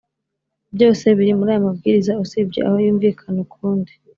byose biri muri aya mabwiriza usibye aho yumvikana ukundi